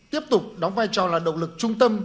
tiếp tục đóng vai trò là động lực trung tâm